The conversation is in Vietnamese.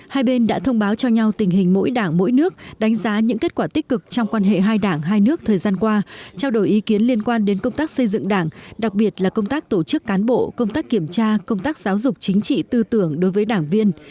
hai bên đã thông báo cho nhau tình hình mỗi đảng mỗi nước đánh giá những kết quả tích cực trong quan hệ hai đảng hai nước thời gian qua trao đổi ý kiến liên quan đến công tác xây dựng đảng đặc biệt là công tác tổ chức cán bộ công tác kiểm tra công tác giáo dục chính trị tư tưởng đối với đảng viên